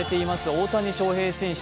大谷翔平選手。